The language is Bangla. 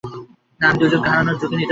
না, আমি দুজনকে হারানোর ঝুঁকে নিতে পারি না।